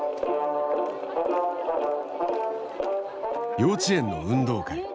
幼稚園の運動会。